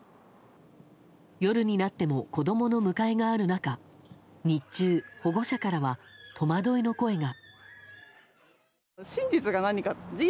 夜になっても子供の迎えがある中日中、保護者からは戸惑いの声が。